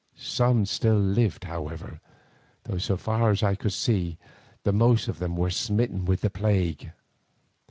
Some still lived however, though so far as I could see the most of them were smitten with the plague.